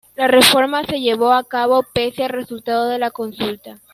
La reforma se llevó a cabo pese al resultado de la consulta.